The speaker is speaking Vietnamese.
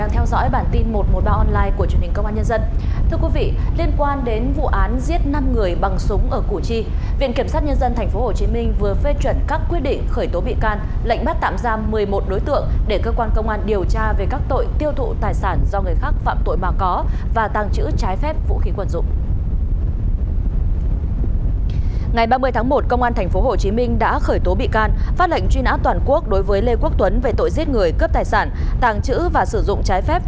hãy đăng ký kênh để ủng hộ kênh của chúng mình nhé